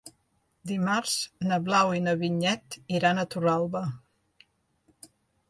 Dimarts na Blau i na Vinyet iran a Torralba.